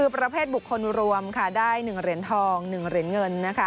ประเภทบุคคลรวมค่ะได้๑เหรียญทอง๑เหรียญเงินนะคะ